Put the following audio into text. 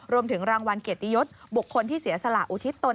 รวมถึงรางวัลเกียรติยศบุคคลที่เสียสละอุทิศตน